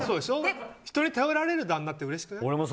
人に頼られる旦那ってうれしくない？